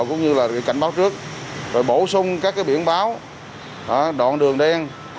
cũng như cảnh báo trước bổ sung các biển báo đoạn đường đen